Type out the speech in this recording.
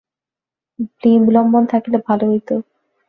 বিল্বন থাকিলে ভালো হইত।